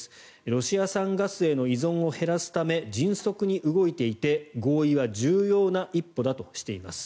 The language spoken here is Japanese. ロシア産ガスへの依存を減らすため迅速に動いていて、合意は重要な一歩だとしています。